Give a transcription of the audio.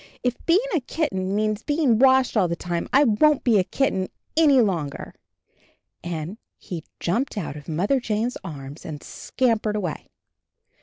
"If being a kitten means be ing washed all the time, I wonH be a kitten any longer!" and he jumped out of Mother Jane's arms and scampered away.